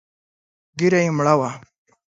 ږيره يې مړه وه.